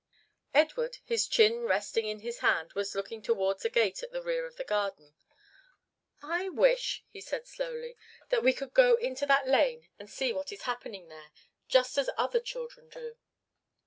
Edward, his chin resting in his hand, was looking towards a gate at the rear of the garden. "I wish," he said slowly, "that we could go out into that lane and see what is happening there, just as other children do."